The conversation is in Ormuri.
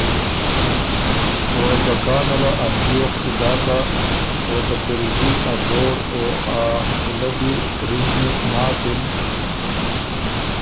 او که کانه له ا پیوخک ګاکه او ته کِرݫی ا بوړ او ا پُلبي رِزنی ناکِن۔